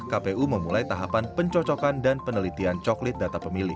kpu memulai tahapan pencocokan dan penelitian coklit data pemilih